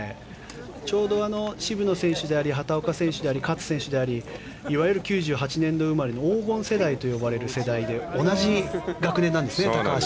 ちょうど渋野選手であり畑岡選手であり勝選手でありいわゆる９８年度生まれの黄金世代と呼ばれる世代で同じ学年なんですよね。